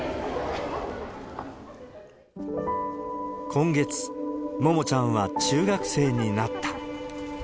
今月、ももちゃんは中学生になった。